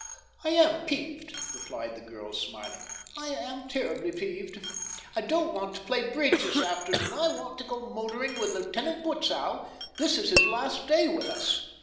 "I am peeved," replied the girl, smiling. "I am terribly peeved. I don't want to play bridge this afternoon. I want to go motoring with Lieutenant Butzow. This is his last day with us."